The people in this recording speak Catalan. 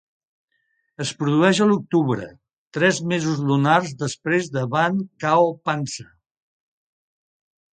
Es produeix a l'octubre, tres mesos lunars després de "Wan Kao Pansa".